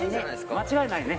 間違いないね。